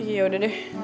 iya udah deh